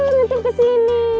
semangat semangat semangat reina